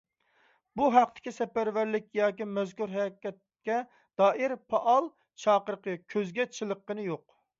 بۇ ھەقتىكى سەپەرۋەرلىكى ياكى مەزكۇر ھەرىكەتكە دائىر پائال چاقىرىقى كۆزگە چېلىققىنى يوق.